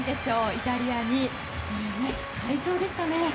イタリアに快勝でしたね。